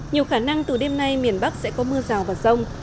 nhiều khả năng từ đêm nay miền bắc sẽ có mưa rào và rông